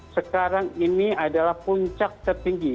sekarang ini adalah puncak tertinggi